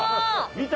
見た？